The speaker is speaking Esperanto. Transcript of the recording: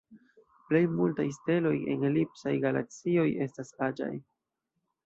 Plej multaj steloj en elipsaj galaksioj estas aĝaj.